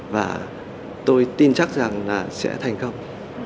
và tôi tin chắc rằng là sẽ thành công